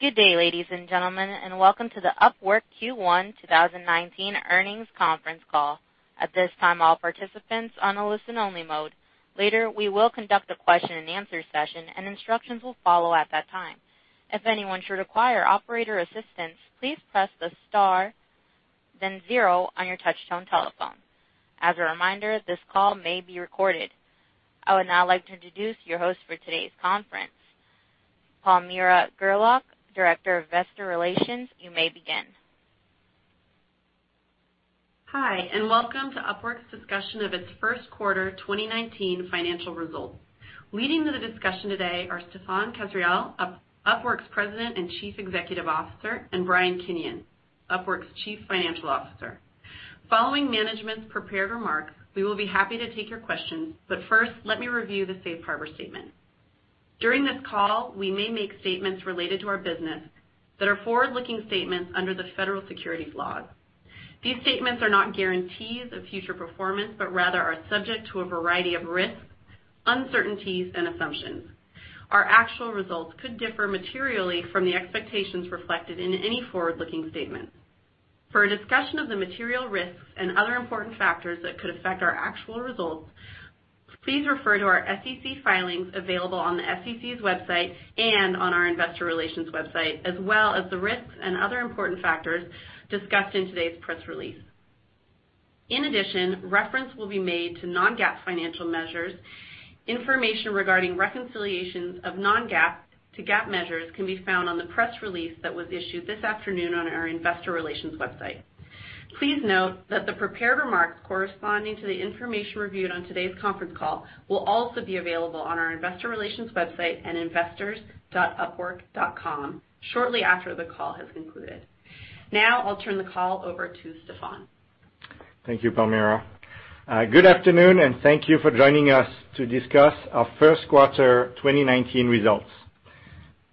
Good day, ladies and gentlemen, and welcome to the Upwork Q1 2019 earnings conference call. At this time, all participants on a listen only mode. Later, we will conduct a question and answer session and instructions will follow at that time. If anyone should require operator assistance, please press the star then zero on your touchtone telephone. As a reminder, this call may be recorded. I would now like to introduce your host for today's conference, Palmira Gerlock, Director of Investor Relations. You may begin. Hi, and welcome to Upwork's discussion of its first quarter 2019 financial results. Leading the discussion today are Stephane Kasriel, Upwork's President and Chief Executive Officer, and Brian Kinion, Upwork's Chief Financial Officer. Following management's prepared remarks, we will be happy to take your questions. First, let me review the safe harbor statement. During this call, we may make statements related to our business that are forward-looking statements under the federal securities laws. These statements are not guarantees of future performance, but rather are subject to a variety of risks, uncertainties and assumptions. Our actual results could differ materially from the expectations reflected in any forward-looking statement. For a discussion of the material risks and other important factors that could affect our actual results, please refer to our SEC filings available on the SEC's website and on our investor relations website, as well as the risks and other important factors discussed in today's press release. In addition, reference will be made to non-GAAP financial measures. Information regarding reconciliations of non-GAAP to GAAP measures can be found on the press release that was issued this afternoon on our investor relations website. Please note that the prepared remarks corresponding to the information reviewed on today's conference call will also be available on our investor relations website at investors.upwork.com shortly after the call has concluded. I'll turn the call over to Stephane. Thank you, Palmira. Good afternoon, and thank you for joining us to discuss our first quarter 2019 results.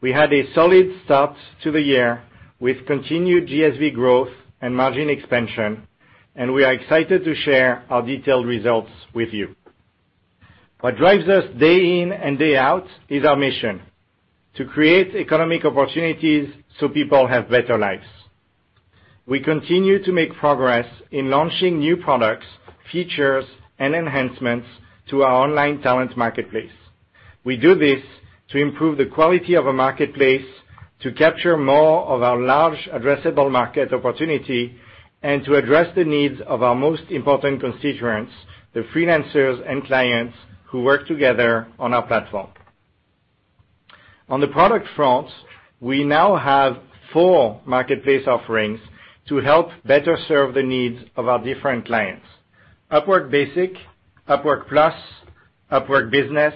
We had a solid start to the year with continued GSV growth and margin expansion. We are excited to share our detailed results with you. What drives us day in and day out is our mission: to create economic opportunities so people have better lives. We continue to make progress in launching new products, features, and enhancements to our online talent marketplace. We do this to improve the quality of our marketplace, to capture more of our large addressable market opportunity, and to address the needs of our most important constituents, the freelancers and clients who work together on our platform. On the product front, we now have four marketplace offerings to help better serve the needs of our different clients. Upwork Basic, Upwork Plus, Upwork Business,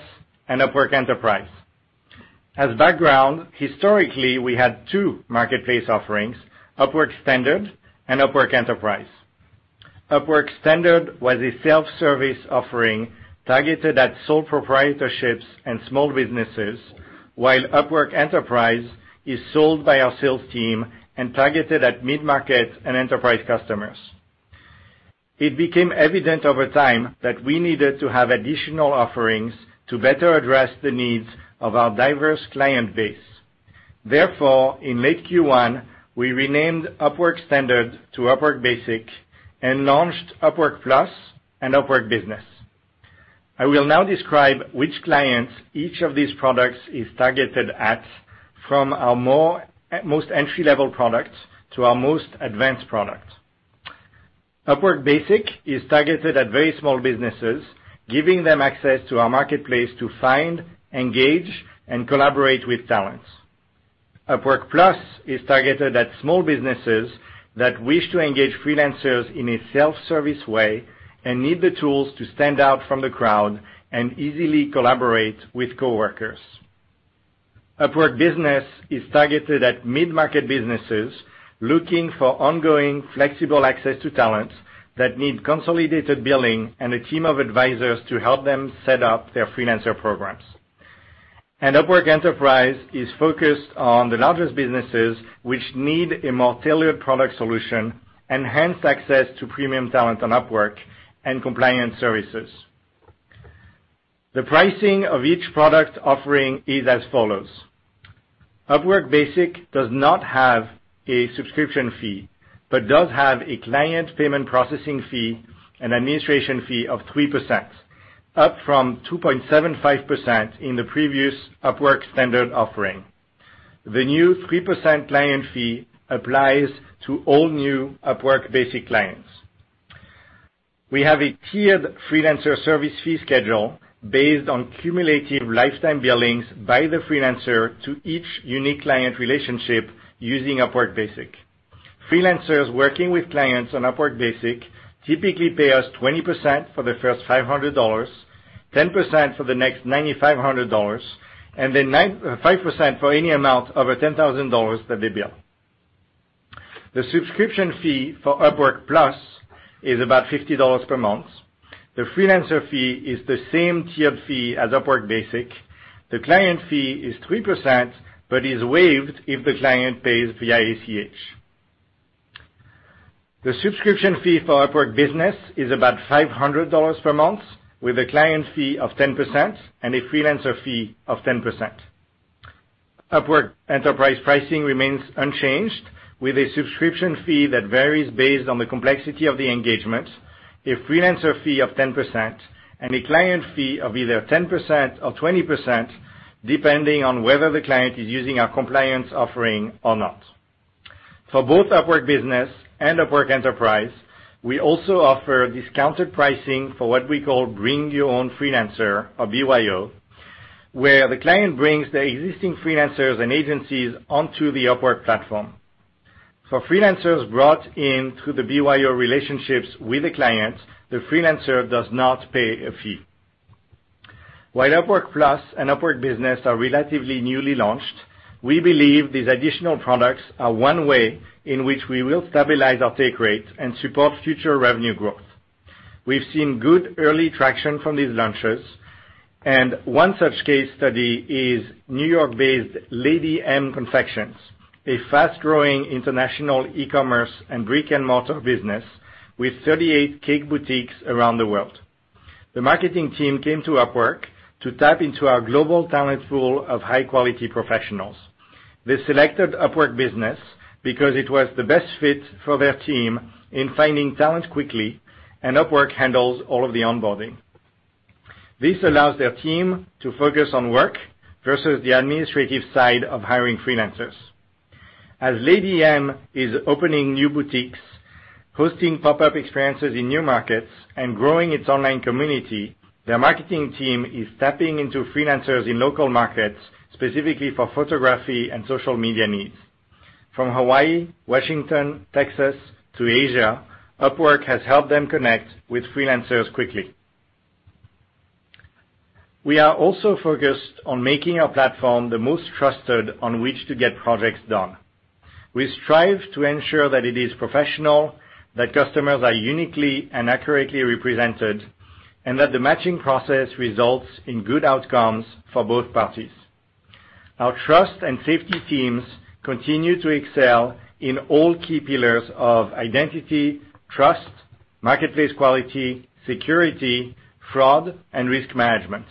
and Upwork Enterprise. As background, historically, we had two marketplace offerings, Upwork Standard and Upwork Enterprise. Upwork Standard was a self-service offering targeted at sole proprietorships and small businesses, while Upwork Enterprise is sold by our sales team and targeted at mid-market and enterprise customers. It became evident over time that we needed to have additional offerings to better address the needs of our diverse client base. Therefore, in late Q1, we renamed Upwork Standard to Upwork Basic and launched Upwork Plus and Upwork Business. I will now describe which clients each of these products is targeted at from our most entry-level product to our most advanced product. Upwork Basic is targeted at very small businesses, giving them access to our marketplace to find, engage and collaborate with talents. Upwork Plus is targeted at small businesses that wish to engage freelancers in a self-service way and need the tools to stand out from the crowd and easily collaborate with coworkers. Upwork Business is targeted at mid-market businesses looking for ongoing, flexible access to talent that need consolidated billing and a team of advisors to help them set up their freelancer programs. Upwork Enterprise is focused on the largest businesses which need a more tailored product solution, enhanced access to premium talent on Upwork, and compliance services. The pricing of each product offering is as follows. Upwork Basic does not have a subscription fee but does have a client payment processing fee and administration fee of 3%, up from 2.75% in the previous Upwork Standard offering. The new 3% client fee applies to all new Upwork Basic clients. We have a tiered freelancer service fee schedule based on cumulative lifetime billings by the freelancer to each unique client relationship using Upwork Basic. Freelancers working with clients on Upwork Basic typically pay us 20% for the first $500, 10% for the next $9,500, and then 5% for any amount over $10,000 that they bill. The subscription fee for Upwork Plus is about $50 per month. The freelancer fee is the same tiered fee as Upwork Basic. The client fee is 3% but is waived if the client pays via ACH. The subscription fee for Upwork Business is about $500 per month, with a client fee of 10% and a freelancer fee of 10%. Upwork Enterprise pricing remains unchanged, with a subscription fee that varies based on the complexity of the engagement, a freelancer fee of 10%, and a client fee of either 10% or 20%, depending on whether the client is using our compliance offering or not. For both Upwork Business and Upwork Enterprise, we also offer discounted pricing for what we call Bring Your Own Freelancer, or BYO, where the client brings their existing freelancers and agencies onto the Upwork platform. For freelancers brought in through the BYO relationships with the clients, the freelancer does not pay a fee. While Upwork Plus and Upwork Business are relatively newly launched, we believe these additional products are one way in which we will stabilize our take rate and support future revenue growth. We've seen good early traction from these launches. One such case study is N.Y.-based Lady M Confections, a fast-growing international e-commerce and brick-and-mortar business with 38 cake boutiques around the world. The marketing team came to Upwork to tap into our global talent pool of high-quality professionals. They selected Upwork Business because it was the best fit for their team in finding talent quickly and Upwork handles all of the onboarding. This allows their team to focus on work versus the administrative side of hiring freelancers. As Lady M is opening new boutiques, hosting pop-up experiences in new markets, and growing its online community, their marketing team is tapping into freelancers in local markets, specifically for photography and social media needs. From Hawaii, Washington, Texas to Asia, Upwork has helped them connect with freelancers quickly. We are also focused on making our platform the most trusted on which to get projects done. We strive to ensure that it is professional, that customers are uniquely and accurately represented, and that the matching process results in good outcomes for both parties. Our trust and safety teams continue to excel in all key pillars of identity, trust, marketplace quality, security, fraud, and risk management.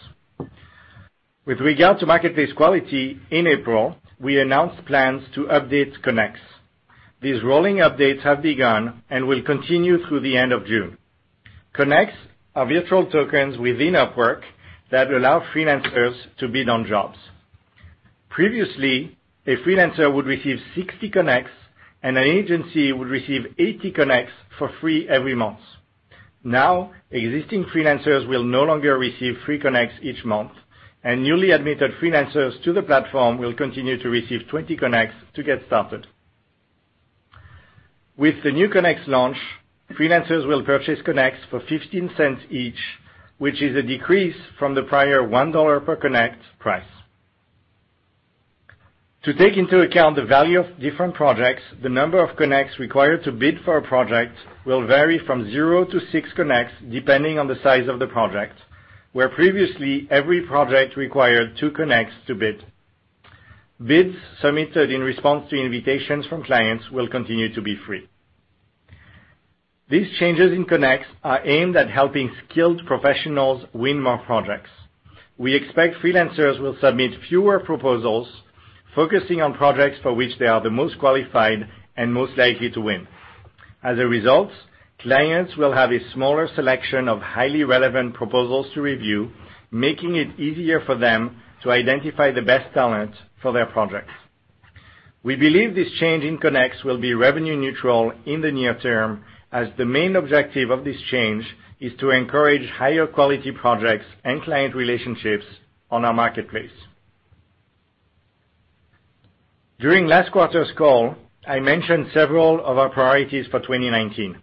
With regard to marketplace quality, in April, we announced plans to update Connects. These rolling updates have begun and will continue through the end of June. Connects are virtual tokens within Upwork that allow freelancers to bid on jobs. Previously, a freelancer would receive 60 Connects and an agency would receive 80 Connects for free every month. Now, existing freelancers will no longer receive free Connects each month, and newly admitted freelancers to the platform will continue to receive 20 Connects to get started. With the new Connects launch, freelancers will purchase Connects for $0.15 each, which is a decrease from the prior $1 per Connect price. To take into account the value of different projects, the number of Connects required to bid for a project will vary from zero to six Connects depending on the size of the project, where previously, every project required two Connects to bid. Bids submitted in response to invitations from clients will continue to be free. These changes in Connects are aimed at helping skilled professionals win more projects. We expect freelancers will submit fewer proposals, focusing on projects for which they are the most qualified and most likely to win. As a result, clients will have a smaller selection of highly relevant proposals to review, making it easier for them to identify the best talent for their projects. We believe this change in Connects will be revenue neutral in the near term, as the main objective of this change is to encourage higher quality projects and client relationships on our marketplace. During last quarter's call, I mentioned several of our priorities for 2019.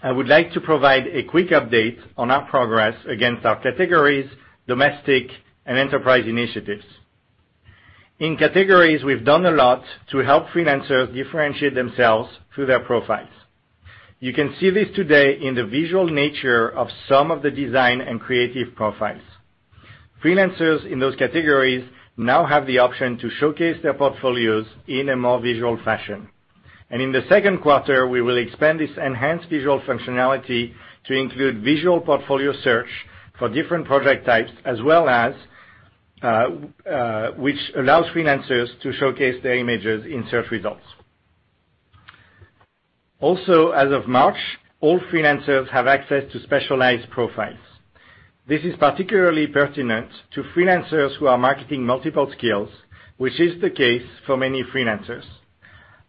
I would like to provide a quick update on our progress against our categories, domestic, and enterprise initiatives. In categories, we've done a lot to help freelancers differentiate themselves through their profiles. You can see this today in the visual nature of some of the design and creative profiles. Freelancers in those categories now have the option to showcase their portfolios in a more visual fashion. In the second quarter, we will expand this enhanced visual functionality to include visual portfolio search for different project types, as well as which allows freelancers to showcase their images in search results. As of March, all freelancers have access to specialized profiles. This is particularly pertinent to freelancers who are marketing multiple skills, which is the case for many freelancers.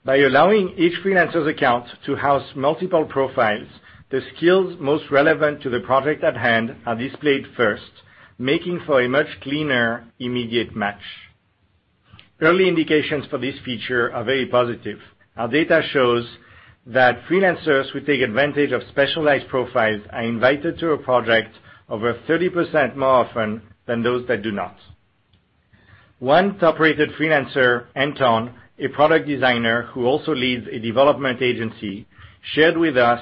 By allowing each freelancer's account to house multiple profiles, the skills most relevant to the project at hand are displayed first, making for a much cleaner immediate match. Early indications for this feature are very positive. Our data shows that freelancers who take advantage of specialized profiles are invited to a project over 30% more often than those that do not. One top-rated freelancer, Anton, a product designer who also leads a development agency, shared with us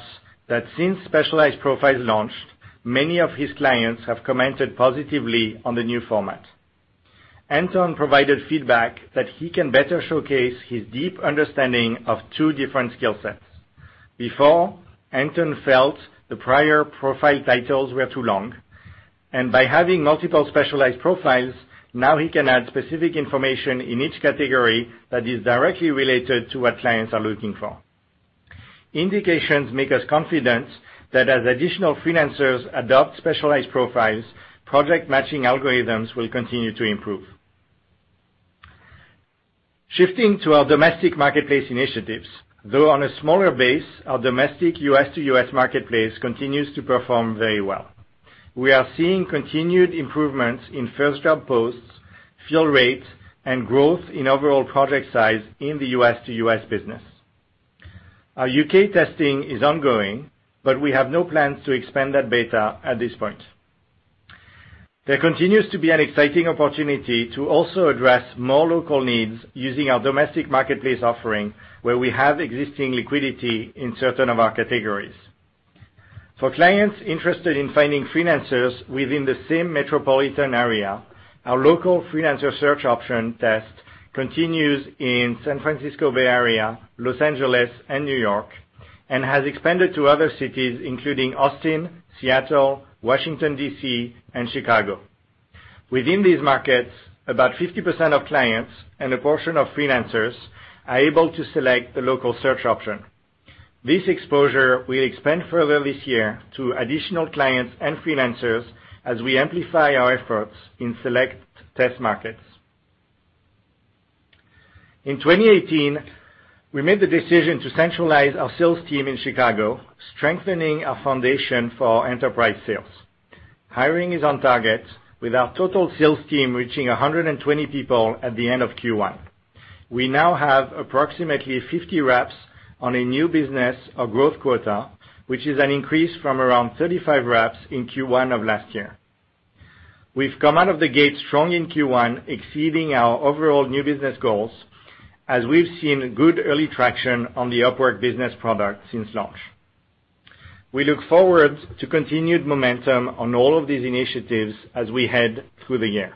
that since specialized profiles launched, many of his clients have commented positively on the new format. Anton provided feedback that he can better showcase his deep understanding of two different skill sets. Before, Anton felt the prior profile titles were too long, and by having multiple specialized profiles, now he can add specific information in each category that is directly related to what clients are looking for. Indications make us confident that as additional freelancers adopt specialized profiles, project matching algorithms will continue to improve. Shifting to our domestic marketplace initiatives, though on a smaller base, our domestic U.S.-to-U.S. marketplace continues to perform very well. We are seeing continued improvements in first job posts, fill rate, and growth in overall project size in the U.S.-to-U.S. business. Our U.K. testing is ongoing, but we have no plans to expand that beta at this point. There continues to be an exciting opportunity to also address more local needs using our domestic marketplace offering, where we have existing liquidity in certain of our categories. For clients interested in finding freelancers within the same metropolitan area, our local freelancer search option test continues in San Francisco Bay Area, Los Angeles, and New York, and has expanded to other cities including Austin, Seattle, Washington D.C., and Chicago. Within these markets, about 50% of clients and a portion of freelancers are able to select the local search option. This exposure will expand further this year to additional clients and freelancers as we amplify our efforts in select test markets. In 2018, we made the decision to centralize our sales team in Chicago, strengthening our foundation for our enterprise sales. Hiring is on target, with our total sales team reaching 120 people at the end of Q1. We now have approximately 50 reps on a new business or growth quota, which is an increase from around 35 reps in Q1 of last year. We've come out of the gate strong in Q1, exceeding our overall new business goals, as we've seen good early traction on the Upwork Business product since launch. We look forward to continued momentum on all of these initiatives as we head through the year.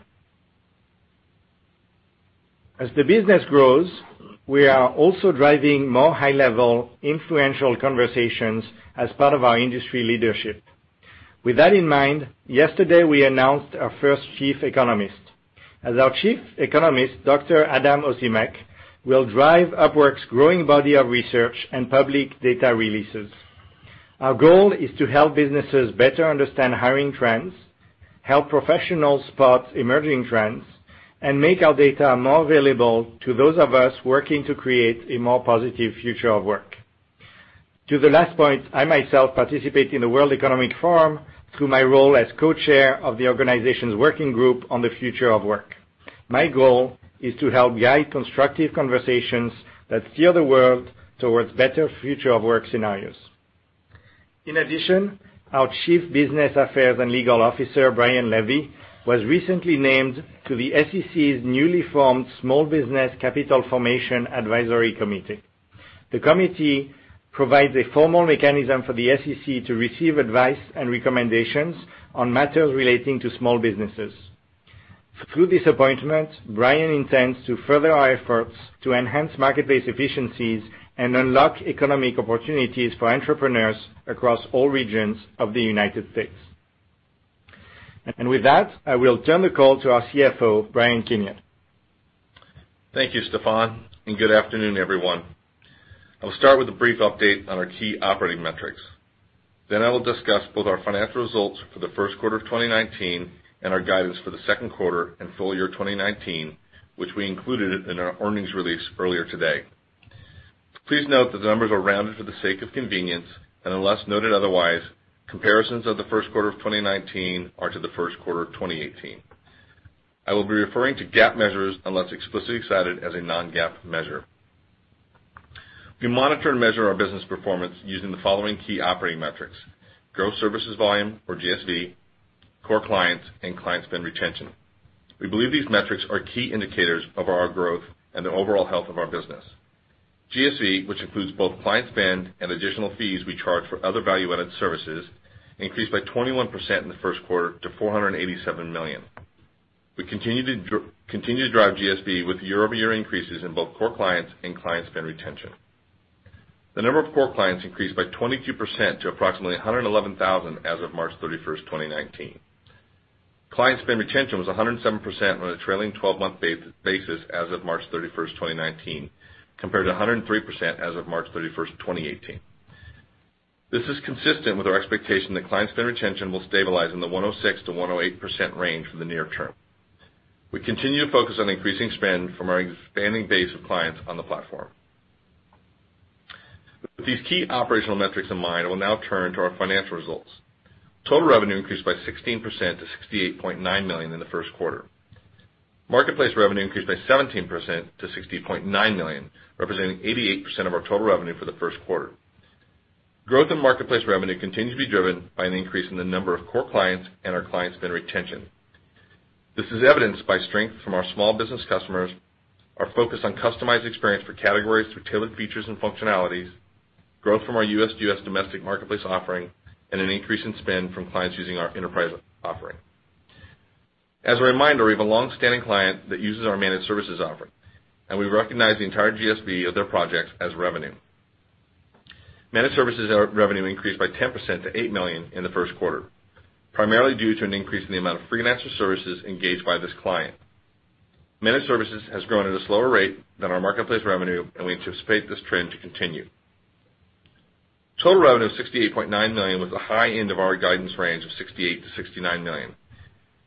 As the business grows, we are also driving more high-level influential conversations as part of our industry leadership. With that in mind, yesterday we announced our first chief economist. As our Chief Economist, Dr. Adam Ozimek will drive Upwork's growing body of research and public data releases. Our goal is to help businesses better understand hiring trends, help professionals spot emerging trends, and make our data more available to those of us working to create a more positive future of work. To the last point, I myself participate in the World Economic Forum through my role as Co-Chair of the organization's working group on the future of work. My goal is to help guide constructive conversations that steer the world towards better future of work scenarios. In addition, our Chief Business Affairs and Legal Officer, Brian Levey, was recently named to the SEC's newly formed Small Business Capital Formation Advisory Committee. The committee provides a formal mechanism for the SEC to receive advice and recommendations on matters relating to small businesses. Through this appointment, Brian intends to further our efforts to enhance marketplace efficiencies and unlock economic opportunities for entrepreneurs across all regions of the U.S. With that, I will turn the call to our CFO, Brian Kinion. Thank you, Stephane. Good afternoon, everyone. I will start with a brief update on our key operating metrics. I will discuss both our financial results for the first quarter of 2019 and our guidance for the second quarter and full year 2019, which we included in our earnings release earlier today. Please note that the numbers are rounded for the sake of convenience, and unless noted otherwise, comparisons of the first quarter of 2019 are to the first quarter of 2018. I will be referring to GAAP measures unless explicitly cited as a non-GAAP measure. We monitor and measure our business performance using the following key operating metrics: gross services volume, or GSV, core clients, and client spend retention. We believe these metrics are key indicators of our growth and the overall health of our business. GSV, which includes both client spend and additional fees we charge for other value-added services, increased by 21% in the first quarter to $487 million. We continue to drive GSV with year-over-year increases in both core clients and client spend retention. The number of core clients increased by 22% to approximately 111,000 as of March 31st, 2019. Client spend retention was 107% on a trailing 12-month basis as of March 31st, 2019, compared to 103% as of March 31st, 2018. This is consistent with our expectation that client spend retention will stabilize in the 106%-108% range for the near term. We continue to focus on increasing spend from our expanding base of clients on the platform. With these key operational metrics in mind, I will now turn to our financial results. Total revenue increased by 16% to $68.9 million in the first quarter. Marketplace revenue increased by 17% to $60.9 million, representing 88% of our total revenue for the first quarter. Growth in marketplace revenue continued to be driven by an increase in the number of core clients and our client spend retention. This is evidenced by strength from our small business customers, our focus on customized experience for categories through tailored features and functionalities. Growth from our U.S. domestic marketplace offering, and an increase in spend from clients using our Enterprise offering. As a reminder, we have a longstanding client that uses our managed services offering, and we recognize the entire GSV of their projects as revenue. Managed services revenue increased by 10% to $8 million in the first quarter, primarily due to an increase in the amount of freelancer services engaged by this client. Managed services has grown at a slower rate than our marketplace revenue, we anticipate this trend to continue. Total revenue of $68.9 million was the high end of our guidance range of $68 million-$69 million.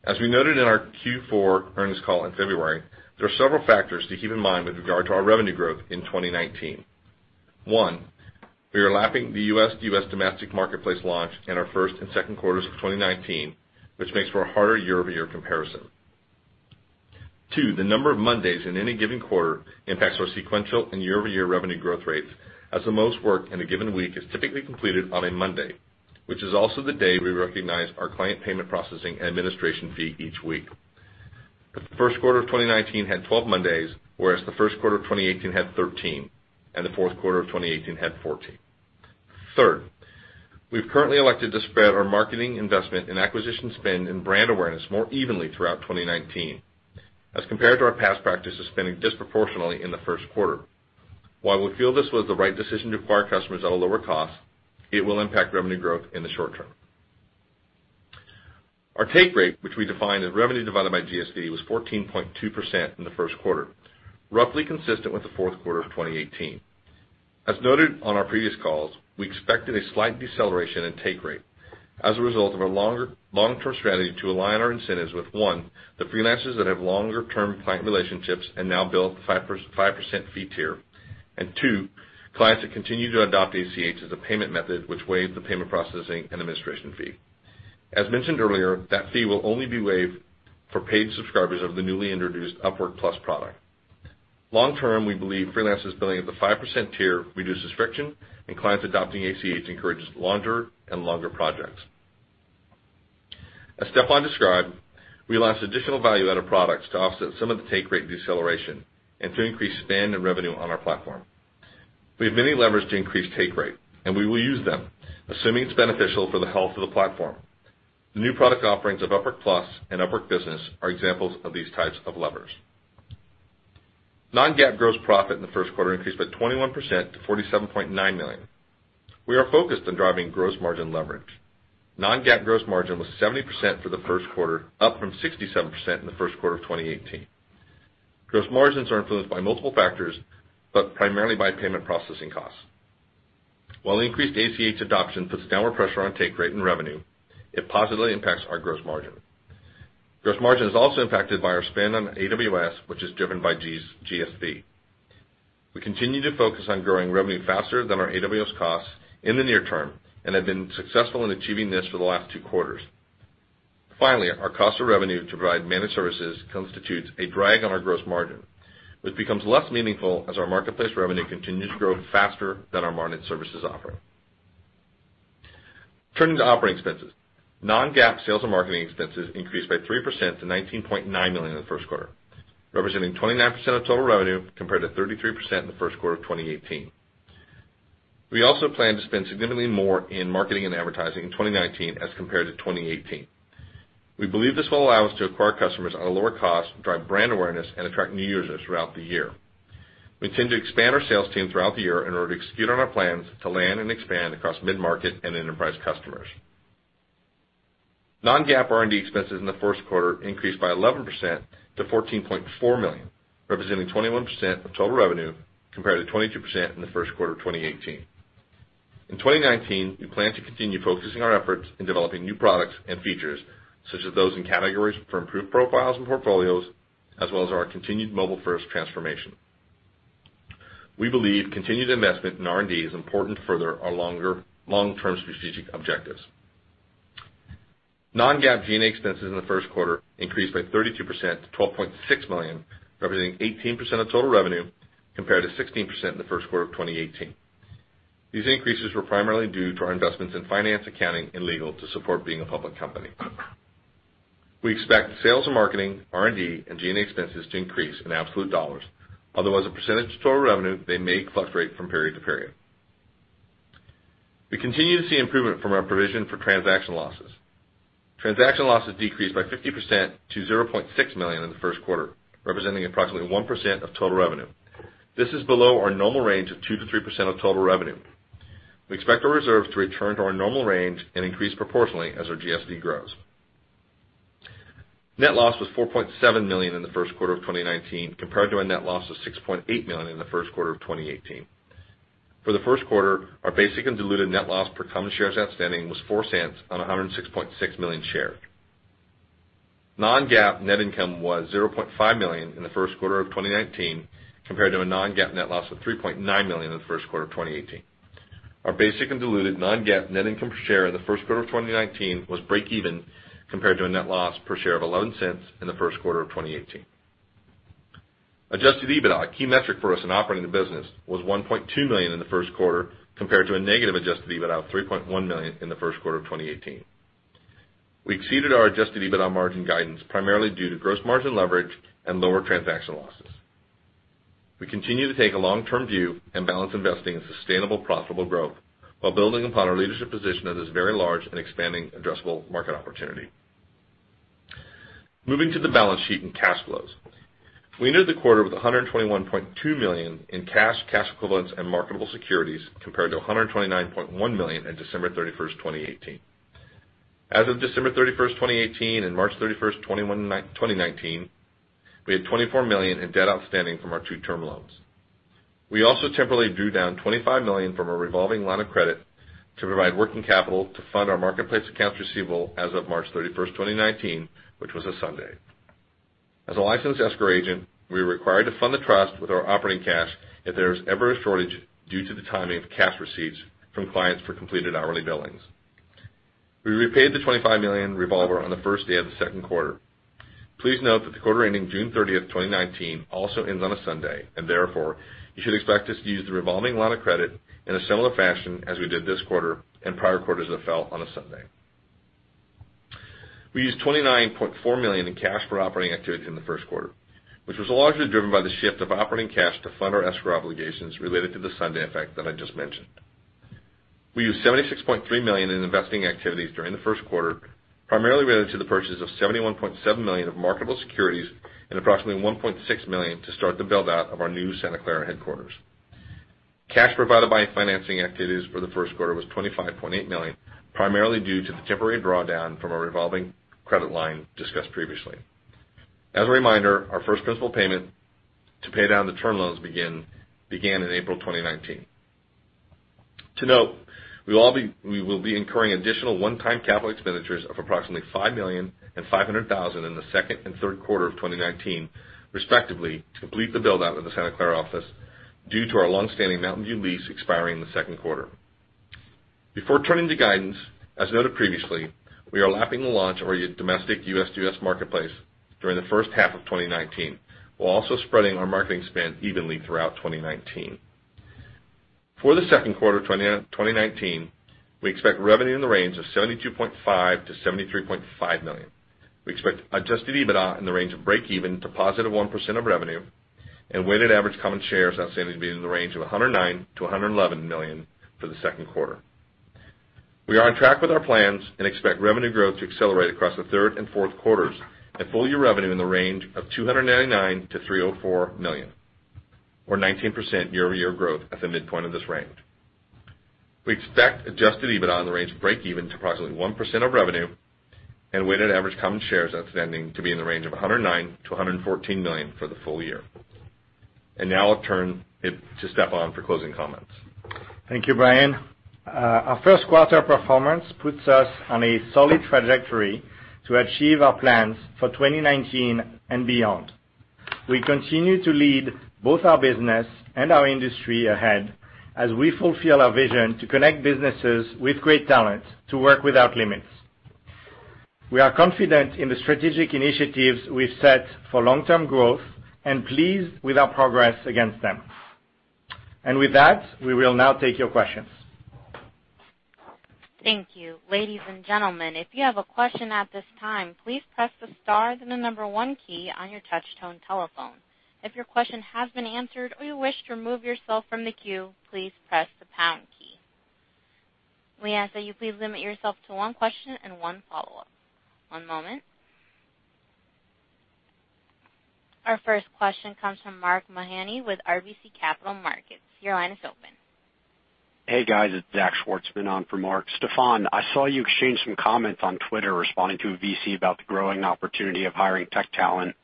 As we noted in our Q4 earnings call in February, there are several factors to keep in mind with regard to our revenue growth in 2019. One, we are lapping the U.S. domestic marketplace launch in our first and second quarters of 2019, which makes for a harder year-over-year comparison. Two, the number of Mondays in any given quarter impacts our sequential and year-over-year revenue growth rates, as the most work in a given week is typically completed on a Monday, which is also the day we recognize our client payment processing and administration fee each week. The first quarter of 2019 had 12 Mondays, whereas the first quarter of 2018 had 13, the fourth quarter of 2018 had 14. Third, we've currently elected to spread our marketing investment and acquisition spend and brand awareness more evenly throughout 2019 as compared to our past practice of spending disproportionately in the first quarter. While we feel this was the right decision to acquire customers at a lower cost, it will impact revenue growth in the short term. Our take rate, which we define as revenue divided by GSV, was 14.2% in the first quarter, roughly consistent with the fourth quarter of 2018. As noted on our previous calls, we expected a slight deceleration in take rate as a result of our long-term strategy to align our incentives with, 1, the freelancers that have longer-term client relationships and now bill at the 5% fee tier, 2, clients that continue to adopt ACH as a payment method which waives the payment processing and administration fee. As mentioned earlier, that fee will only be waived for paid subscribers of the newly introduced Upwork Plus product. Long term, we believe freelancers billing at the 5% tier reduces friction, clients adopting ACH encourages longer and longer projects. As Stephane described, we launched additional value-added products to offset some of the take rate deceleration and to increase spend and revenue on our platform. We have many levers to increase take rate, we will use them assuming it's beneficial for the health of the platform. The new product offerings of Upwork Plus and Upwork Business are examples of these types of levers. Non-GAAP gross profit in the first quarter increased by 21% to $47.9 million. We are focused on driving gross margin leverage. Non-GAAP gross margin was 70% for the first quarter, up from 67% in the first quarter of 2018. Gross margins are influenced by multiple factors, primarily by payment processing costs. While increased ACH adoption puts downward pressure on take rate and revenue, it positively impacts our gross margin. Gross margin is also impacted by our spend on AWS, which is driven by GSV. We continue to focus on growing revenue faster than our AWS costs in the near term, have been successful in achieving this for the last two quarters. Finally, our cost of revenue to provide managed services constitutes a drag on our gross margin, which becomes less meaningful as our marketplace revenue continues to grow faster than our managed services offering. Turning to operating expenses. Non-GAAP sales and marketing expenses increased by 3% to $19.9 million in the first quarter, representing 29% of total revenue, compared to 33% in the first quarter of 2018. We also plan to spend significantly more in marketing and advertising in 2019 as compared to 2018. We believe this will allow us to acquire customers at a lower cost, drive brand awareness, and attract new users throughout the year. We intend to expand our sales team throughout the year in order to execute on our plans to land and expand across mid-market and enterprise customers. Non-GAAP R&D expenses in the first quarter increased by 11% to $14.4 million, representing 21% of total revenue, compared to 22% in the first quarter of 2018. In 2019, we plan to continue focusing our efforts in developing new products and features, such as those in categories for improved profiles and portfolios, as well as our continued mobile-first transformation. We believe continued investment in R&D is important to further our long-term strategic objectives. Non-GAAP G&A expenses in the first quarter increased by 32% to $12.6 million, representing 18% of total revenue, compared to 16% in the first quarter of 2018. These increases were primarily due to our investments in finance, accounting, and legal to support being a public company. We expect sales and marketing, R&D, and G&A expenses to increase in absolute dollars, although as a percentage of total revenue, they may fluctuate from period to period. We continue to see improvement from our provision for transaction losses. Transaction losses decreased by 50% to $0.6 million in the first quarter, representing approximately 1% of total revenue. This is below our normal range of 2%-3% of total revenue. We expect our reserves to return to our normal range and increase proportionally as our GSV grows. Net loss was $4.7 million in the first quarter of 2019, compared to a net loss of $6.8 million in the first quarter of 2018. For the first quarter, our basic and diluted net loss per common shares outstanding was $0.04 on 106.6 million shares. Non-GAAP net income was $0.5 million in the first quarter of 2019, compared to a non-GAAP net loss of $3.9 million in the first quarter of 2018. Our basic and diluted non-GAAP net income per share in the first quarter of 2019 was breakeven, compared to a net loss per share of $0.11 in the first quarter of 2018. Adjusted EBITDA, a key metric for us in operating the business, was $1.2 million in the first quarter, compared to a negative adjusted EBITDA of $3.1 million in the first quarter of 2018. We exceeded our adjusted EBITDA margin guidance primarily due to gross margin leverage and lower transaction losses. We continue to take a long-term view and balance investing in sustainable profitable growth while building upon our leadership position in this very large and expanding addressable market opportunity. Moving to the balance sheet and cash flows. We ended the quarter with $121.2 million in cash equivalents, and marketable securities, compared to $129.1 million on December 31st, 2018. As of December 31st, 2018, and March 31st, 2019, we had $24 million in debt outstanding from our two term loans. We also temporarily drew down $25 million from a revolving line of credit to provide working capital to fund our marketplace accounts receivable as of March 31st, 2019, which was a Sunday. As a licensed escrow agent, we are required to fund the trust with our operating cash if there is ever a shortage due to the timing of cash receipts from clients for completed hourly billings. We repaid the $25 million revolver on the first day of the second quarter. Please note that the quarter ending June 30th, 2019, also ends on a Sunday. Therefore, you should expect us to use the revolving line of credit in a similar fashion as we did this quarter and prior quarters that fell on a Sunday. We used $29.4 million in cash for operating activities in the first quarter, which was largely driven by the shift of operating cash to fund our escrow obligations related to the Sunday effect that I just mentioned. We used $76.3 million in investing activities during the first quarter, primarily related to the purchase of $71.7 million of marketable securities and approximately $1.6 million to start the build-out of our new Santa Clara headquarters. Cash provided by financing activities for the first quarter was $25.8 million, primarily due to the temporary drawdown from our revolving credit line discussed previously. As a reminder, our first principal payment to pay down the term loans began in April 2019. To note, we will be incurring additional one-time capital expenditures of approximately $5 million and $500,000 in the second and third quarter of 2019, respectively, to complete the build-out of the Santa Clara office due to our longstanding Mountain View lease expiring in the second quarter. Before turning to guidance, as noted previously, we are lapping the launch of our domestic U.S. marketplace during the first half of 2019, while also spreading our marketing spend evenly throughout 2019. For the second quarter 2019, we expect revenue in the range of $72.5 million-$73.5 million. We expect adjusted EBITDA in the range of break even to positive 1% of revenue and weighted average common shares outstanding to be in the range of 109 million-111 million for the second quarter. We are on track with our plans. We expect revenue growth to accelerate across the third and fourth quarters and full-year revenue in the range of $299 million-$304 million, or 19% year-over-year growth at the midpoint of this range. We expect adjusted EBITDA in the range of break even to approximately 1% of revenue and weighted average common shares outstanding to be in the range of 109 million-114 million for the full year. Now I'll turn it to Stephane for closing comments. Thank you, Brian. Our first quarter performance puts us on a solid trajectory to achieve our plans for 2019 and beyond. We continue to lead both our business and our industry ahead as we fulfill our vision to connect businesses with great talent to work without limits. We are confident in the strategic initiatives we've set for long-term growth and pleased with our progress against them. With that, we will now take your questions. Thank you. Ladies and gentlemen, if you have a question at this time, please press the star then the number one key on your touch tone telephone. If your question has been answered or you wish to remove yourself from the queue, please press the pound key. We ask that you please limit yourself to one question and one follow-up. One moment. Our first question comes from Mark Mahaney with RBC Capital Markets. Your line is open. Hey, guys. It's Zach Schwartzman on for Mark. Stephane, I saw you exchange some comments on Twitter responding to a VC about the growing opportunity of hiring tech talent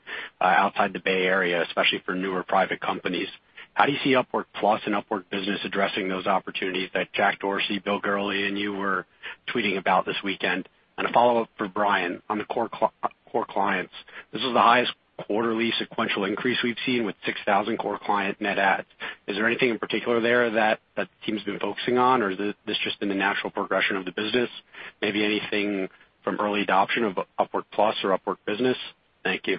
outside the Bay Area, especially for newer private companies. How do you see Upwork+ and Upwork Business addressing those opportunities that Jack Dorsey, Bill Gurley, and you were tweeting about this weekend? A follow-up for Brian on the core clients. This is the highest quarterly sequential increase we've seen with 6,000 core client net adds. Is there anything in particular there that the team's been focusing on, or has this just been the natural progression of the business? Maybe anything from early adoption of Upwork+ or Upwork Business? Thank you.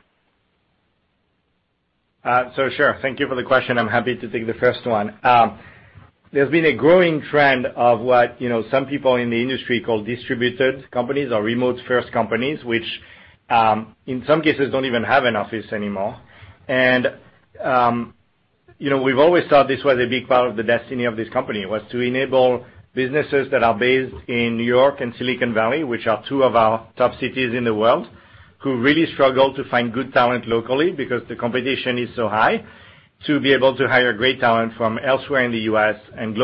Sure. Thank you for the question. I'm happy to take the first one. There's been a growing trend of what some people in the industry call distributed companies or remote-first companies, which in some cases don't even have an office anymore. We've always thought this was a big part of the destiny of this company, was to enable businesses that are based in New York and Silicon Valley, which are two of our top cities in the world, who really struggle to find good talent locally because the competition is so high, to be able to hire great talent from elsewhere in the U.S. and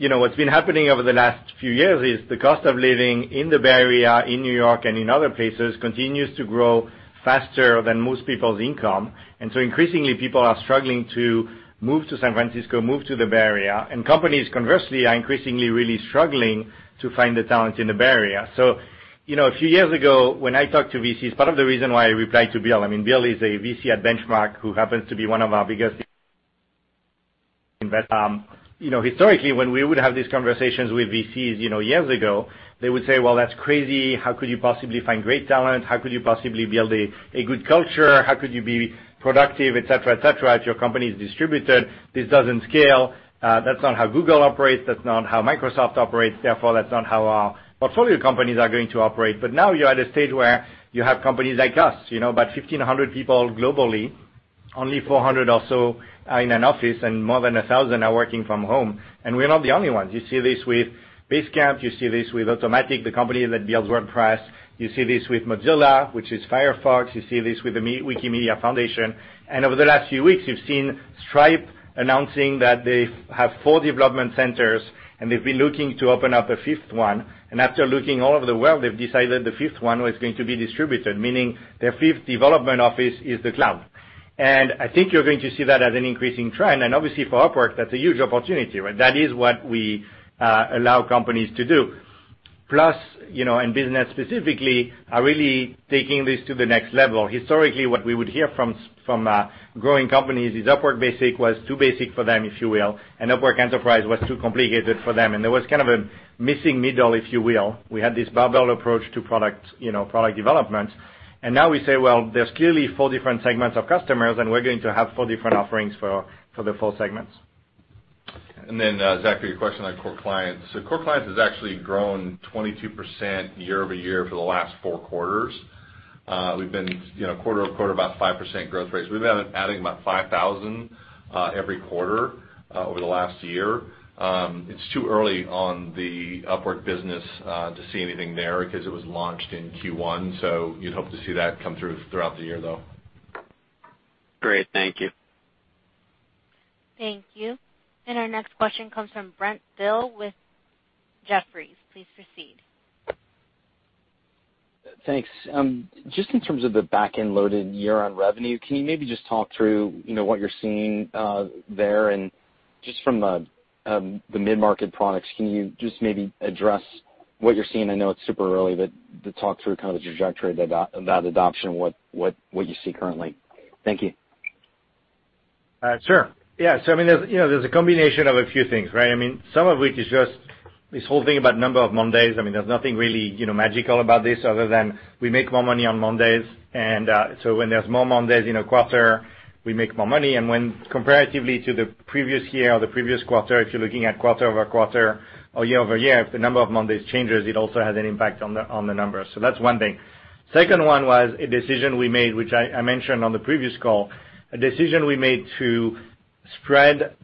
globally. What's been happening over the last few years is the cost of living in the Bay Area, in New York, and in other places continues to grow faster than most people's income. Increasingly, people are struggling to move to San Francisco, move to the Bay Area, and companies, conversely, are increasingly really struggling to find the talent in the Bay Area. A few years ago, when I talked to VCs, part of the reason why I replied to Bill, I mean, Bill is a VC at Benchmark who happens to be one of our biggest investors. Historically, when we would have these conversations with VCs years ago, they would say, "Well, that's crazy. How could you possibly find great talent? How could you possibly build a good culture? How could you be productive, et cetera, if your company is distributed? This doesn't scale. That's not how Google operates. That's not how Microsoft operates. That's not how our portfolio companies are going to operate." Now you're at a stage where you have companies like us, about 1,500 people globally. Only 400 or so are in an office, and more than 1,000 are working from home. We're not the only ones. You see this with Basecamp. You see this with Automattic, the company that builds WordPress. You see this with Mozilla, which is Firefox. You see this with the Wikimedia Foundation. Over the last few weeks, you've seen Stripe announcing that they have 4 development centers, and they've been looking to open up a fifth one. After looking all over the world, they've decided the fifth one was going to be distributed, meaning their fifth development office is the cloud. I think you're going to see that as an increasing trend. Obviously for Upwork, that's a huge opportunity, right? That is what we allow companies to do. Plus, and business specifically, are really taking this to the next level. Historically, what we would hear from growing companies is Upwork Basic was too basic for them, if you will, and Upwork Enterprise was too complicated for them, and there was kind of a missing middle, if you will. We had this barbell approach to product development. Now we say, well, there's clearly four different segments of customers, and we're going to have four different offerings for the four segments. Zachary, a question on Core clients. Core clients has actually grown 22% year-over-year for the last four quarters. We've been quarter-over-quarter, about 5% growth rates. We've been adding about 5,000 every quarter over the last year. It's too early on the Upwork Business to see anything there because it was launched in Q1, so you'd hope to see that come through throughout the year, though. Great. Thank you. Thank you. Our next question comes from Brent Thill with Jefferies. Please proceed. Thanks. Just in terms of the back-end loaded year on revenue, can you maybe just talk through what you're seeing there? Just from the mid-market products, can you just maybe address what you're seeing? I know it's super early, but talk through kind of the trajectory of that adoption, what you see currently. Thank you. Sure. Yeah. There's a combination of a few things, right? Some of which is just this whole thing about number of Mondays. There's nothing really magical about this other than we make more money on Mondays. When there's more Mondays in a quarter, we make more money. When comparatively to the previous year or the previous quarter, if you're looking at quarter-over-quarter or year-over-year, if the number of Mondays changes, it also has an impact on the numbers. That's one thing. Second one was a decision we made, which I mentioned on the previous call, a decision we made to spread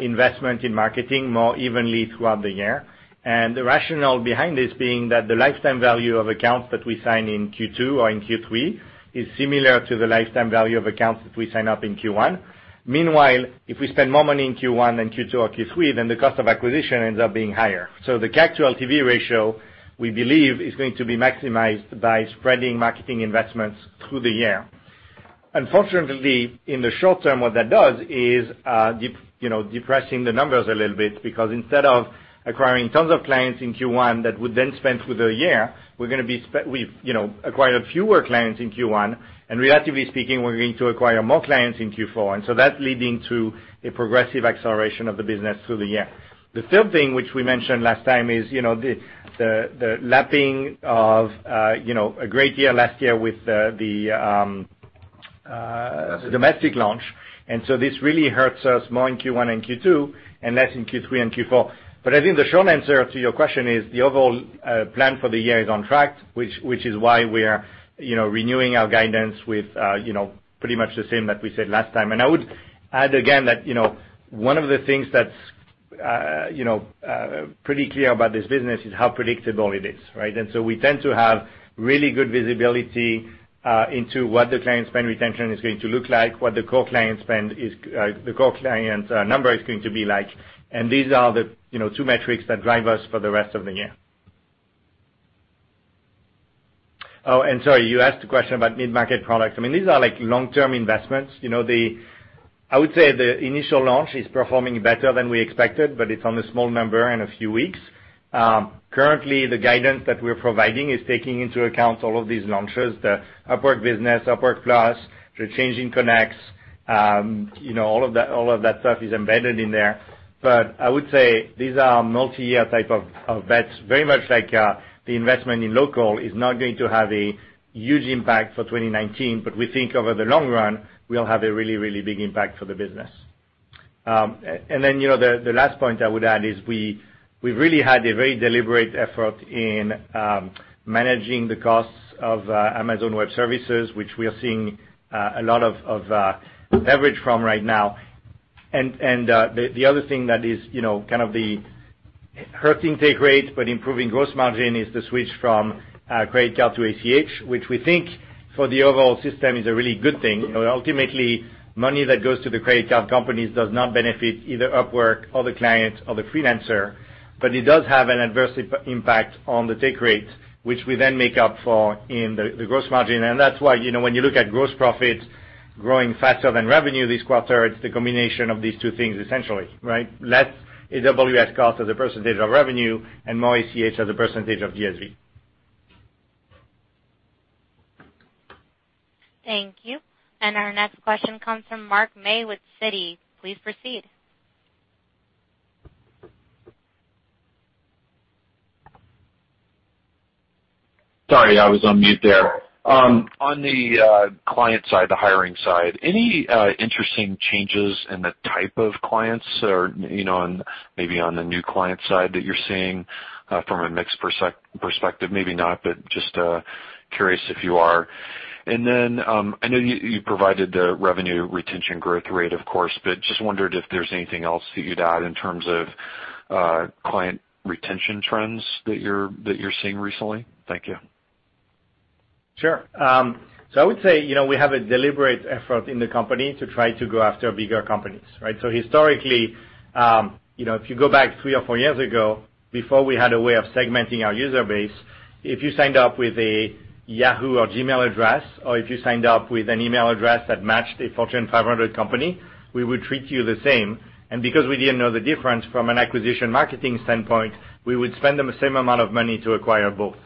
investment in marketing more evenly throughout the year. The rationale behind this being that the lifetime value of accounts that we sign in Q2 or in Q3 is similar to the lifetime value of accounts that we sign up in Q1. Meanwhile, if we spend more money in Q1 than Q2 or in Q3, then the cost of acquisition ends up being higher. The CAC to LTV ratio, we believe, is going to be maximized by spreading marketing investments through the year. Unfortunately, in the short term, what that does is depressing the numbers a little bit, because instead of acquiring tons of clients in Q1 that would then spend through the year, we've acquired fewer clients in Q1, and relatively speaking, we're going to acquire more clients in Q4, and that's leading to a progressive acceleration of the business through the year. The third thing which we mentioned last time is the lapping of a great year last year with the Domestic domestic launch. This really hurts us more in Q1 and Q2 and less in Q3 and Q4. I think the short answer to your question is the overall plan for the year is on track, which is why we are renewing our guidance with pretty much the same that we said last time. I would add again that one of the things that's pretty clear about this business is how predictable it is, right? We tend to have really good visibility into what the client spend retention is going to look like, what the core client number is going to be like, and these are the two metrics that drive us for the rest of the year. Sorry, you asked a question about mid-market products. These are long-term investments. I would say the initial launch is performing better than we expected, but it's on a small number and a few weeks. Currently, the guidance that we're providing is taking into account all of these launches, the Upwork Business, Upwork Plus, the change in Connects. All of that stuff is embedded in there. I would say these are multi-year type of bets, very much like the investment in Local is not going to have a huge impact for 2019, but we think over the long run, we'll have a really, really big impact for the business. The last point I would add is we've really had a very deliberate effort in managing the costs of Amazon Web Services, which we are seeing a lot of leverage from right now. The other thing that is kind of the hurting take rate but improving gross margin is the switch from credit card to ACH, which we think for the overall system is a really good thing. Ultimately, money that goes to the credit card companies does not benefit either Upwork or the client or the freelancer, but it does have an adverse impact on the take rate, which we then make up for in the gross margin. That's why when you look at gross profit growing faster than revenue this quarter, it's the combination of these two things, essentially, right? Less AWS cost as a % of revenue and more ACH as a % of GSV. Thank you. Our next question comes from Mark May with Citi. Please proceed. Sorry, I was on mute there. On the client side, the hiring side, any interesting changes in the type of clients or maybe on the new client side that you're seeing from a mix perspective? Maybe not, but just Curious if you are. Then, I know you provided the revenue retention growth rate, of course, but just wondered if there's anything else that you'd add in terms of client retention trends that you're seeing recently. Thank you. Sure. I would say, we have a deliberate effort in the company to try to go after bigger companies, right? Historically, if you go back three or four years ago, before we had a way of segmenting our user base, if you signed up with a Yahoo or Gmail address, or if you signed up with an email address that matched a Fortune 500 company, we would treat you the same. Because we didn't know the difference from an acquisition marketing standpoint, we would spend the same amount of money to acquire both.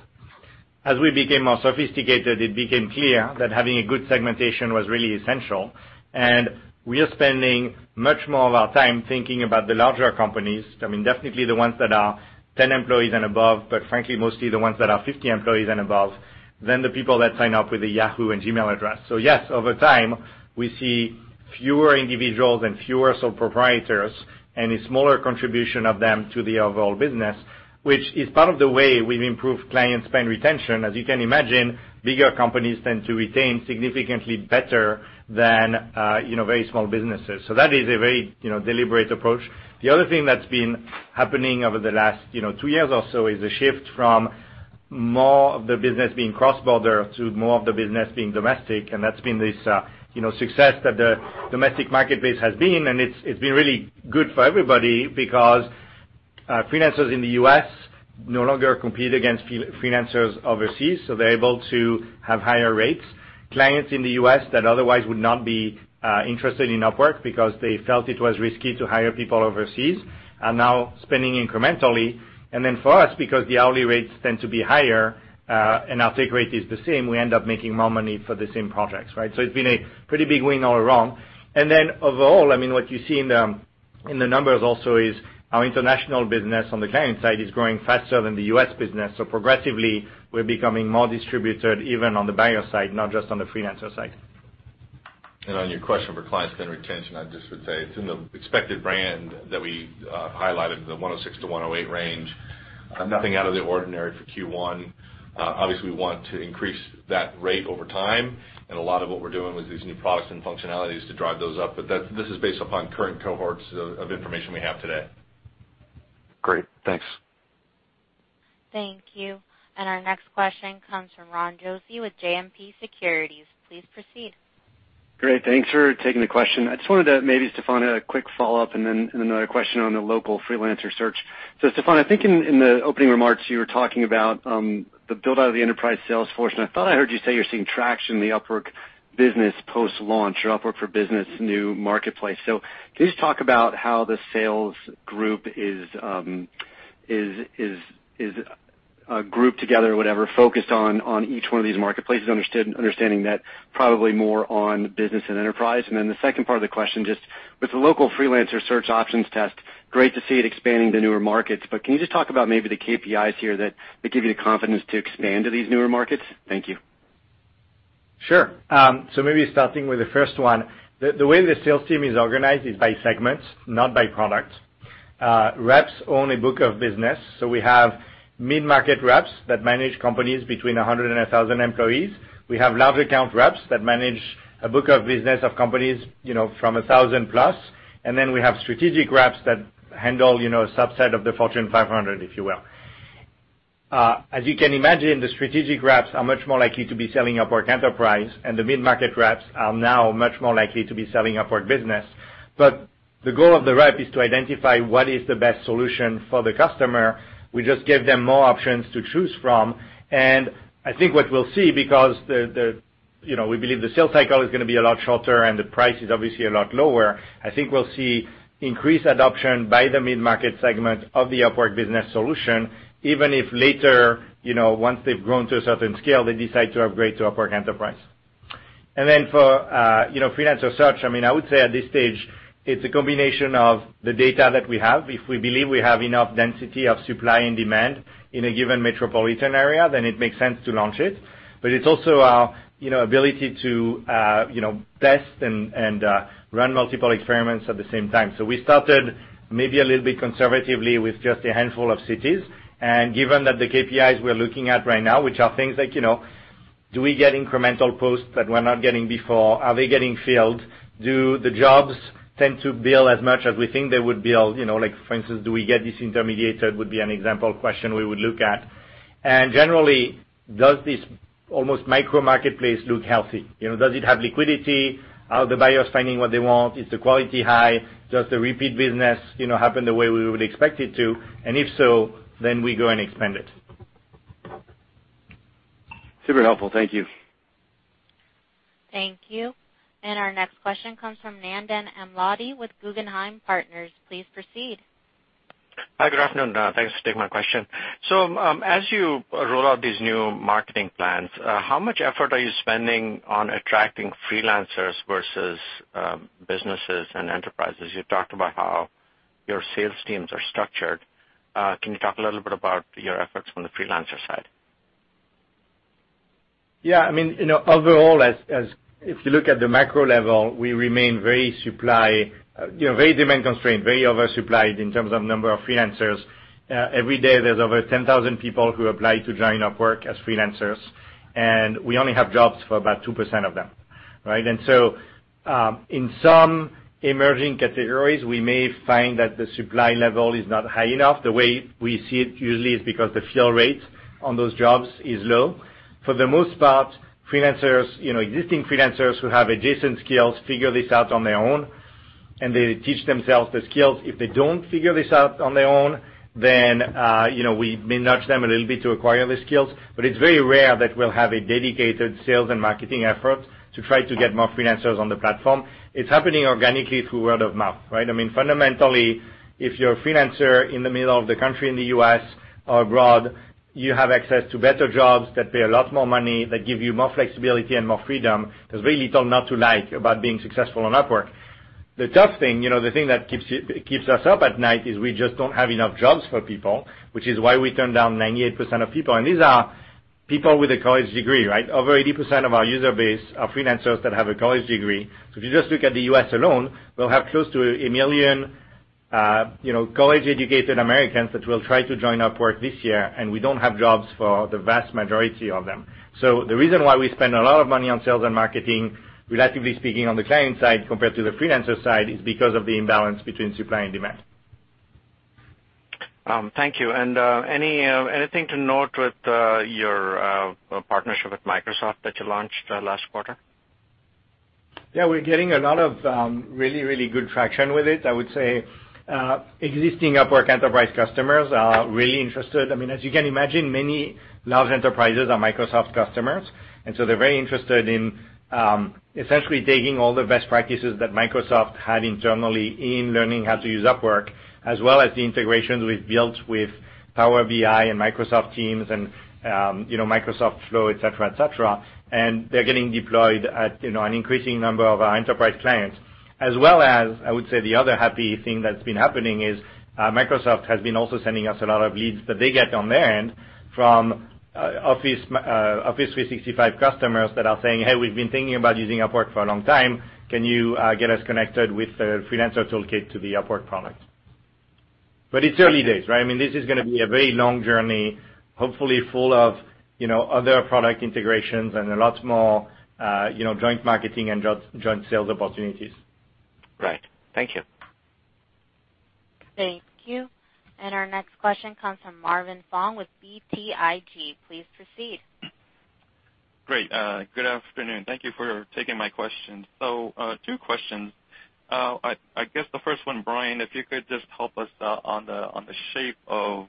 As we became more sophisticated, it became clear that having a good segmentation was really essential, we are spending much more of our time thinking about the larger companies. Definitely the ones that are 10 employees and above, but frankly, mostly the ones that are 50 employees and above, than the people that sign up with a Yahoo and Gmail address. Yes, over time, we see fewer individuals and fewer sole proprietors, and a smaller contribution of them to the overall business, which is part of the way we've improved client spend retention. As you can imagine, bigger companies tend to retain significantly better than very small businesses. That is a very deliberate approach. The other thing that's been happening over the last two years or so is a shift from more of the business being cross-border to more of the business being domestic. That's been this success that the domestic marketplace has been. It's been really good for everybody because freelancers in the U.S. no longer compete against freelancers overseas, they're able to have higher rates. Clients in the U.S. that otherwise would not be interested in Upwork because they felt it was risky to hire people overseas are now spending incrementally. For us, because the hourly rates tend to be higher, our take rate is the same, we end up making more money for the same projects, right? It's been a pretty big win all around. Overall, what you see in the numbers also is our international business on the client side is growing faster than the U.S. business. Progressively, we're becoming more distributed even on the buyer side, not just on the freelancer side. On your question for client spend retention, I just would say it's in the expected brand that we highlighted, the 106-108 range. Nothing out of the ordinary for Q1. Obviously, we want to increase that rate over time, a lot of what we're doing with these new products and functionalities to drive those up. This is based upon current cohorts of information we have today. Great. Thanks. Thank you. Our next question comes from Ron Josey with JMP Securities. Please proceed. Great. Thanks for taking the question. Stephane, a quick follow-up and then another question on the local freelancer search. Stephane, I think in the opening remarks, you were talking about the build-out of the enterprise sales force, and I thought I heard you say you're seeing traction in the Upwork Business post-launch or Upwork Business new marketplace. Can you just talk about how the sales group is grouped together, whatever, focused on each one of these marketplaces, understanding that probably more on Business and Enterprise. The second part of the question, just with the local freelancer search options test, great to see it expanding to newer markets, but can you just talk about maybe the KPIs here that give you the confidence to expand to these newer markets? Thank you. Sure. Maybe starting with the first one, the way the sales team is organized is by segments, not by product. Reps own a book of business, we have mid-market reps that manage companies between 100 and 1,000 employees. We have large account reps that manage a book of business of companies from 1,000 plus. We have strategic reps that handle a subset of the Fortune 500, if you will. As you can imagine, the strategic reps are much more likely to be selling Upwork Enterprise, and the mid-market reps are now much more likely to be selling Upwork Business. The goal of the rep is to identify what is the best solution for the customer. We just give them more options to choose from. I think what we'll see, because we believe the sales cycle is going to be a lot shorter and the price is obviously a lot lower, I think we'll see increased adoption by the mid-market segment of the Upwork Business solution, even if later, once they've grown to a certain scale, they decide to upgrade to Upwork Enterprise. For freelancer search, I would say at this stage, it's a combination of the data that we have. If we believe we have enough density of supply and demand in a given metropolitan area, then it makes sense to launch it. It's also our ability to test and run multiple experiments at the same time. We started maybe a little bit conservatively with just a handful of cities. Given that the KPIs we're looking at right now, which are things like, do we get incremental posts that we're not getting before? Are they getting filled? Do the jobs tend to bill as much as we think they would bill? For instance, do we get disintermediated, would be an example question we would look at. Generally, does this almost micro marketplace look healthy? Does it have liquidity? Are the buyers finding what they want? Is the quality high? Does the repeat business happen the way we would expect it to? If so, we go and expand it. Super helpful. Thank you. Thank you. Our next question comes from Nandan Amladi with Guggenheim Partners. Please proceed. Hi, good afternoon. Thanks for taking my question. As you roll out these new marketing plans, how much effort are you spending on attracting freelancers versus businesses and enterprises? You talked about how your sales teams are structured. Can you talk a little bit about your efforts from the freelancer side? Yeah. Overall, if you look at the macro level, we remain very demand-constrained, very oversupplied in terms of number of freelancers. Every day, there's over 10,000 people who apply to join Upwork as freelancers, and we only have jobs for about 2% of them. Right. In some emerging categories, we may find that the supply level is not high enough. The way we see it usually is because the fill rate on those jobs is low. For the most part, existing freelancers who have adjacent skills figure this out on their own, and they teach themselves the skills. If they don't figure this out on their own, then we nudge them a little bit to acquire the skills. It's very rare that we'll have a dedicated sales and marketing effort to try to get more freelancers on the platform. It's happening organically through word of mouth, right? I mean, fundamentally, if you're a freelancer in the middle of the country, in the U.S. or abroad, you have access to better jobs that pay a lot more money, that give you more flexibility and more freedom. There's very little not to like about being successful on Upwork. The tough thing, the thing that keeps us up at night, is we just don't have enough jobs for people, which is why we turn down 98% of people. These are people with a college degree, right? Over 80% of our user base are freelancers that have a college degree. If you just look at the U.S. alone, we'll have close to a million college-educated Americans that will try to join Upwork this year, and we don't have jobs for the vast majority of them. The reason why we spend a lot of money on sales and marketing, relatively speaking, on the client side, compared to the freelancer side, is because of the imbalance between supply and demand. Thank you. Anything to note with your partnership with Microsoft that you launched last quarter? Yeah, we're getting a lot of really, really good traction with it. I would say existing Upwork Enterprise customers are really interested. As you can imagine, many large enterprises are Microsoft customers, and so they're very interested in essentially taking all the best practices that Microsoft had internally in learning how to use Upwork, as well as the integrations we've built with Power BI and Microsoft Teams and Microsoft Flow, et cetera. They're getting deployed at an increasing number of our enterprise clients. As well as, I would say, the other happy thing that's been happening is Microsoft has been also sending us a lot of leads that they get on their end from Office 365 customers that are saying, "Hey, we've been thinking about using Upwork for a long time. Can you get us connected with the freelancer toolkit to the Upwork product?" It's early days, right? This is going to be a very long journey, hopefully full of other product integrations and a lot more joint marketing and joint sales opportunities. Right. Thank you. Thank you. Our next question comes from Marvin Fong with BTIG. Please proceed. Great. Good afternoon. Thank you for taking my questions. Two questions. I guess the first one, Brian, if you could just help us on the shape of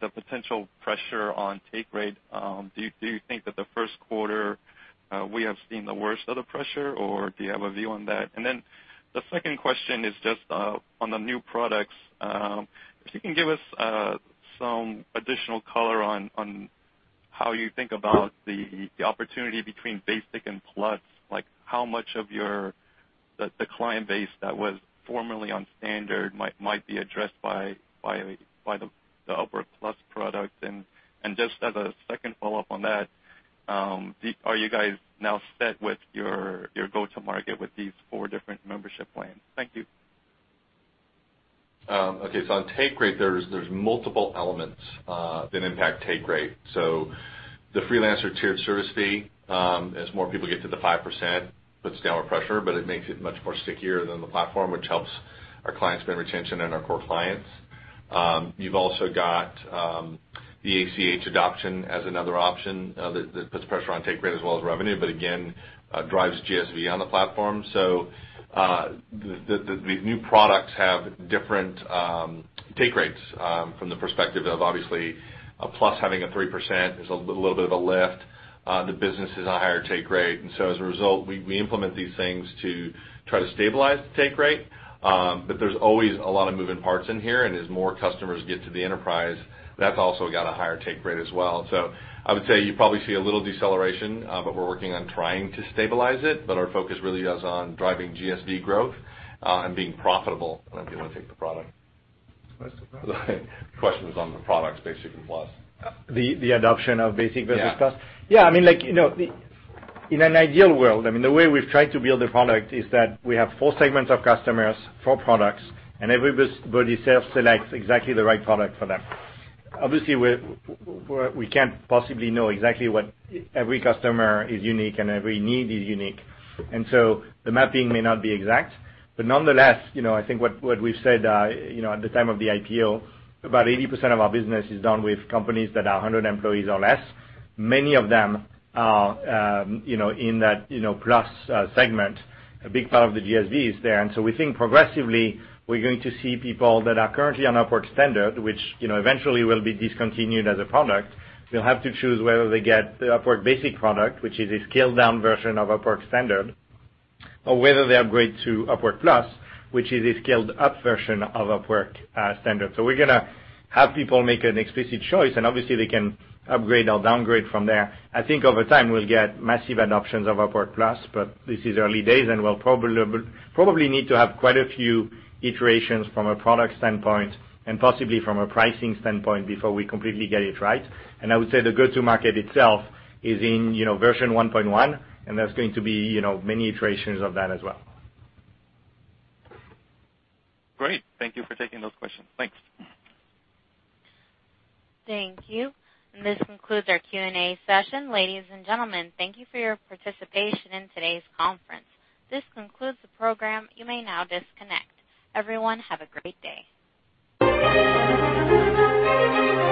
the potential pressure on take rate. Do you think that the first quarter we have seen the worst of the pressure, or do you have a view on that? The second question is just on the new products. If you can give us some additional color on how you think about the opportunity between Basic and Plus. How much of the client base that was formerly on Standard might be addressed by the Upwork Plus product. Just as a second follow-up on that, are you guys now set with your go-to market with these four different membership plans? Thank you. Okay. On take rate, there's multiple elements that impact take rate. The freelancer tiered service fee as more people get to the 5%, puts downward pressure, but it makes it much more stickier than the platform, which helps our client spend retention and our core clients. You've also got the ACH adoption as another option that puts pressure on take rate as well as revenue, but again, drives GSV on the platform. These new products have different take rates from the perspective of obviously a Plus having a 3%, there's a little bit of a lift. The Business is on a higher take rate, as a result, we implement these things to try to stabilize the take rate. There's always a lot of moving parts in here, as more customers get to the Enterprise, that's also got a higher take rate as well. I would say you probably see a little deceleration, but we're working on trying to stabilize it. Our focus really is on driving GSV growth and being profitable. I don't know if you want to take the product. That's the product. Question was on the products, Basic and Plus. The adoption of Basic versus Plus? Yeah. Yeah. In an ideal world, the way we've tried to build the product is that we have four segments of customers, four products, and everybody self-selects exactly the right product for them. Obviously, we can't possibly know exactly what every customer is unique and every need is unique, and so the mapping may not be exact. Nonetheless, I think what we've said at the time of the IPO, about 80% of our business is done with companies that are 100 employees or less. Many of them are in that Plus segment. A big part of the GSV is there. We think progressively, we're going to see people that are currently on Upwork Standard, which eventually will be discontinued as a product. They'll have to choose whether they get the Upwork Basic product, which is a scaled-down version of Upwork Standard, or whether they upgrade to Upwork Plus, which is a scaled-up version of Upwork Standard. We're going to have people make an explicit choice, and obviously, they can upgrade or downgrade from there. I think over time, we'll get massive adoptions of Upwork Plus, this is early days, and we'll probably need to have quite a few iterations from a product standpoint and possibly from a pricing standpoint before we completely get it right. I would say the go-to market itself is in version 1.1, and there's going to be many iterations of that as well. Great. Thank you for taking those questions. Thanks. Thank you. This concludes our Q&A session. Ladies and gentlemen, thank you for your participation in today's conference. This concludes the program. You may now disconnect. Everyone, have a great day.